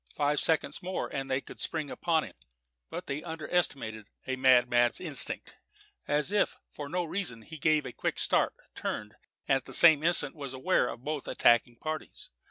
Five seconds more and they could spring upon him. But they under estimated a madman's instinct. As if for no reason, he gave a quick start, turned, and at the same instant was aware of both attacking parties.